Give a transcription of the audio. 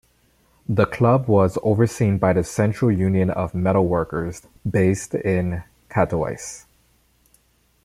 The club was overseen by the "Central Union of Metal Workers", based in Katowice.